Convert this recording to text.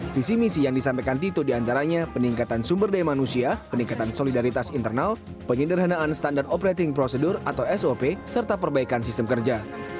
visi misi yang disampaikan tito diantaranya peningkatan sumber daya manusia peningkatan solidaritas internal penyederhanaan standar operating procedure atau sop serta perbaikan sistem kerja